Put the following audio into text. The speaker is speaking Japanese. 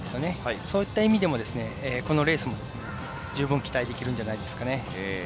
そういった意味でもこのレースは十分期待できるんじゃないかと思います。